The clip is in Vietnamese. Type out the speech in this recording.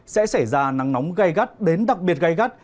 sẽ xảy ra nắng nóng gai gắt đến đặc biệt gai gắt